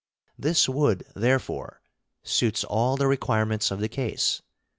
This wood, therefore, suits all the requirements of the case.